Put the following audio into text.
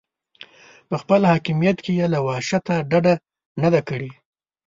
په خپل حاکمیت کې یې له وحشته ډډه نه ده کړې.